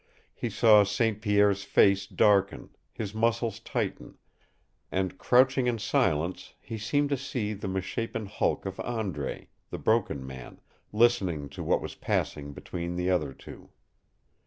He saw St. Pierre's face darken, his muscles tighten and crouching in silence, he seemed to see the misshapen hulk of Andre, the Broken Man, listening to what was passing between the other two.